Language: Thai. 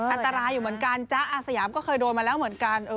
อันตรายอยู่เหมือนกันจ๊ะอาสยามก็เคยโดนมาแล้วเหมือนกัน